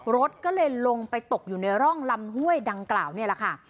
รถก็เลยลงไปตกอยู่ในร่องลำห้วยดังกล่าวนี่แหละค่ะ